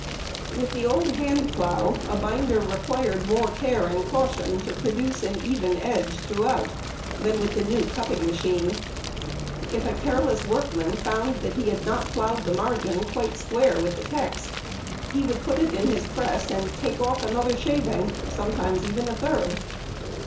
With the old hand plough a binder required more care and caution to produce an even edge throughout than with the new cutting machine. If a careless workman found that he had not ploughed the margin quite square with the text, he would put it in his press and take off "another shaving," and sometimes even a third.